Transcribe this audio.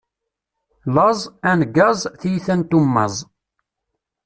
Laẓ, angaẓ, tiyita n tummaẓ.